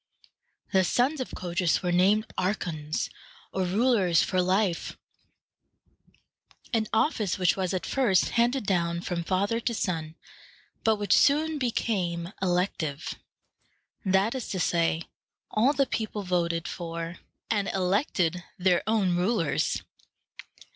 The sons of Codrus were named archons, or rulers for life, an office which was at first handed down from father to son, but which soon became elective; that is to say, all the people voted for and elected their own rulers.